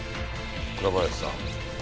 倉林さん。